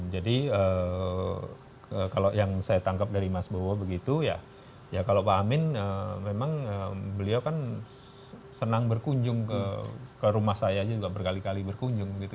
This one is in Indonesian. jadi kalau yang saya tangkap dari mas bowo begitu ya kalau pak amin memang beliau kan senang berkunjung ke rumah saya aja juga berkali kali berkunjung gitu